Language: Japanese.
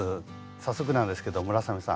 早速なんですけど村雨さん